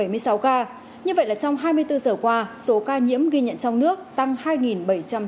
và số ca nhiễm ghi nhận ghi nhận ghi nhận ghi nhận ghi nhận ghi nhận ghi nhận ghi nhận